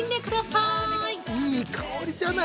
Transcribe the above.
◆いい香りじゃない！